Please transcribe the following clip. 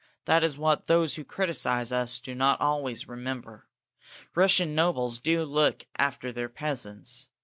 "That is what those who criticise us do not always remember. Russian nobles do look after their peasants.